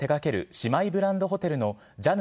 姉妹ブランドホテルのジャヌ